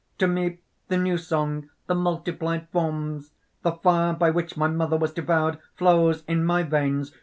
To me the new song, the multiplied forms! "The fire by which my mother was devoured, flows in my veins!